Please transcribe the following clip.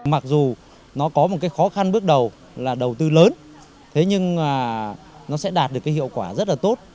mặc dù nó có một cái khó khăn bước đầu là đầu tư lớn thế nhưng nó sẽ đạt được cái hiệu quả rất là tốt